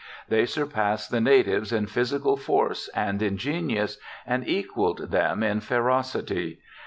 They surpassed the natives in physical force and in genius, and equalled them in ferocity.